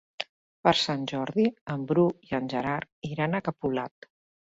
Per Sant Jordi en Bru i en Gerard iran a Capolat.